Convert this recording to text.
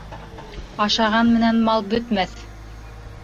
Ашаған менән мал бөтмәҫ